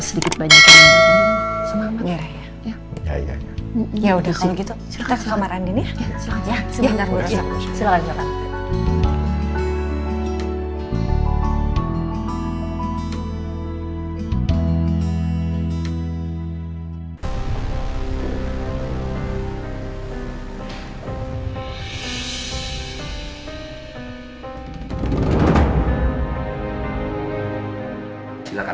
sedikit banyaknya ya udah kalau gitu kita ke kamar andini ya ya ya silakan silakan